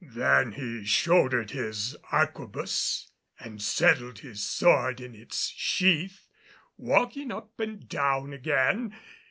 Then he shouldered his arquebus and settled his sword in its sheath, walking up and down again.